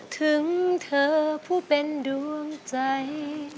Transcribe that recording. ถึงเธอผู้เป็นดวงใจ